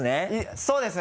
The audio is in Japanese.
そうですね